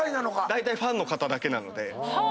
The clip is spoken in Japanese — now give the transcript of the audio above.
だいたいファンの方だけなので。